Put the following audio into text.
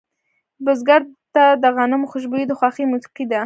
بزګر ته د غنمو خوشبويي د خوښې موسیقي ده